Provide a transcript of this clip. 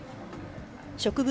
植物